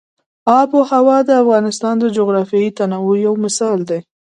آب وهوا د افغانستان د جغرافیوي تنوع یو مثال دی.